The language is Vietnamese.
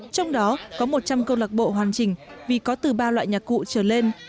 trong đó có một trăm linh câu lạc bộ hoàn chỉnh vì có từ ba loại nhạc cụ trở lên